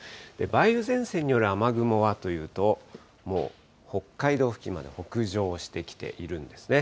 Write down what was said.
梅雨前線による雨雲はというと、もう北海道付近まで北上してきているんですね。